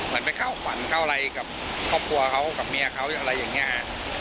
ไปเข้าฝันเข้าอะไรกับครอบครัวเขากับเมียเขาอะไรอย่างนี้